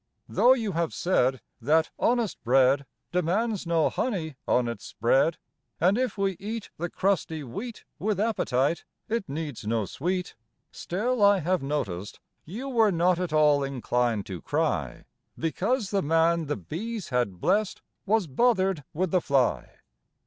Though you have said that honest bread Demands no honey on it spread, [Illustration: Why do You? Page 30.] And if we eat the crusty wheat With appetite, it needs no sweet, Still I have noticed you were not at all inclined to cry Because the man the bees had blest was bothered with the fly.